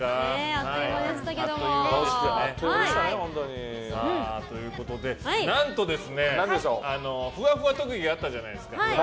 あっという間でしたけども。ということで何とふわふわ特技あったじゃないですか。